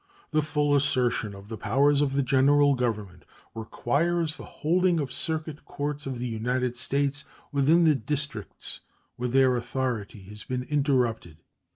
The full assertion of the powers of the General Government requires the holding of circuit courts of the United States within the districts where their authority has been interrupted.